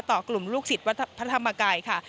ต่อกลุ่มลูกศิษย์วัดพระธรรมกายค่ะ